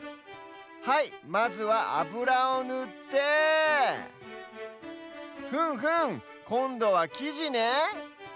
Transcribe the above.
はいまずはあぶらをぬってふむふむこんどはきじね。